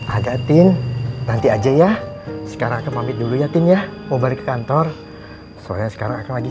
agak tin nanti aja ya sekarang ke mami dulu ya tinnya mau balik kantor soalnya sekarang lagi